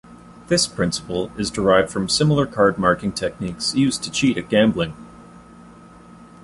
This principle is derived from similar card marking techniques used to cheat at gambling.